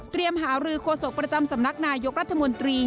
หารือโฆษกประจำสำนักนายกรัฐมนตรี